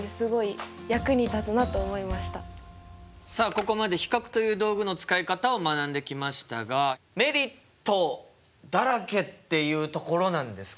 ここまで比較という道具の使い方を学んできましたがメリットだらけっていうところなんですかね？